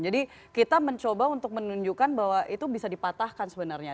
jadi kita mencoba untuk menunjukkan bahwa itu bisa dipatahkan sebenarnya